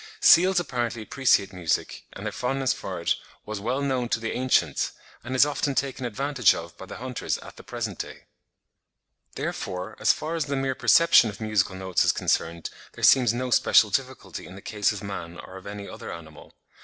Seals apparently appreciate music, and their fondness for it "was well known to the ancients, and is often taken advantage of by the hunters at the present day." (34. Mr. R. Brown, in 'Proc. Zool. Soc.' 1868, p. 410.) Therefore, as far as the mere perception of musical notes is concerned, there seems no special difficulty in the case of man or of any other animal.